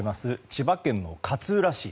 千葉県の勝浦市。